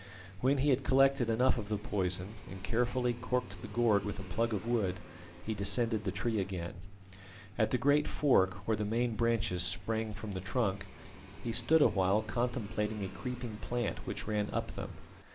When he had collected enough of the poison and carefully corked the gourd with a plug of wood, he descended the tree again. At the great fork where the main branches sprang from the trunk, he stood a while contemplating a creeping plant which ran up them.